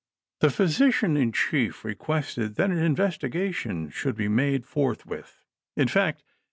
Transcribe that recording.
The physician in chief requested that an investigation should be made forthwith ; in fact.